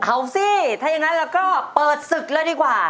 เอาสิถ้าอย่างนั้นเราก็เปิดศึกเลยดีกว่า